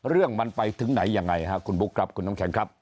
เรื่องมันไปถึงไหนยังไงฮะคุณบุ๊คครับคุณน้ำแข็งครับ